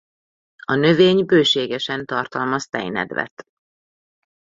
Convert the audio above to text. A növény bőségesen tartalmaz tejnedvet.